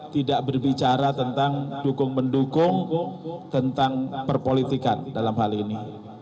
tidak berbicara tentang dukung mendukung tentang perpolitikan dalam hal ini